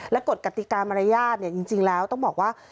และกฎกติกามารยาทจริงแล้วต้องบอกว่า